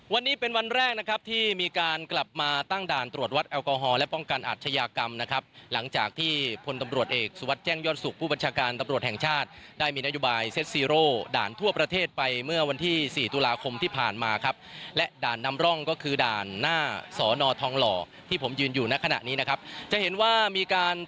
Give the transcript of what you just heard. วันนี้เป็นวันแรกนะครับที่มีการกลับมาตั้งด่านตรวจวัดแอลกอฮอลและป้องกันอาชญากรรมนะครับหลังจากที่พลตำรวจเอกสุวัสดิแจ้งยอดสุขผู้บัญชาการตำรวจแห่งชาติได้มีนโยบายเซ็ตซีโร่ด่านทั่วประเทศไปเมื่อวันที่สี่ตุลาคมที่ผ่านมาครับและด่านนำร่องก็คือด่านหน้าสอนอทองหล่อที่ผมยืนอยู่ในขณะนี้นะครับจะเห็นว่ามีการ